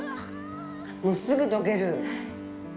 もう、すぐ溶ける。